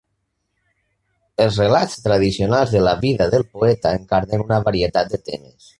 Els relats tradicionals de la vida del poeta encarnen una varietat de temes.